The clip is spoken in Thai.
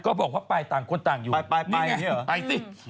ก็บอกว่าไปต่างคนต่างอยู่ไปนี่เหรอ